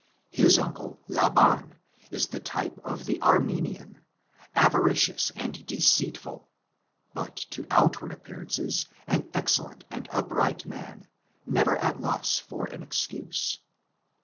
His uncle Laban is the type of the VARIETIES OF THE LEGENDS. 23 Aramaean, avaricious and deceitful, but to outward appearances an excellent and upright man, never at loss for an excuse.